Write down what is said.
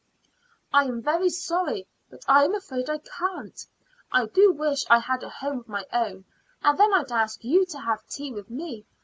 "I am very sorry, but I am afraid I can't. I do wish I had a home of my own, and then I'd ask you to have tea with me.